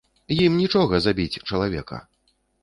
Ім нічога забіць чалавека!